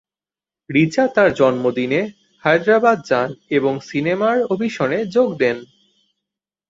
রিচা তার জন্মদিনে হায়দ্রাবাদ যান এবং সিনেমার অডিশনে যোগ দেন।